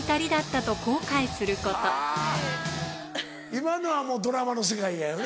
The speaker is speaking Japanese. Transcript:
今のはもうドラマの世界やよね。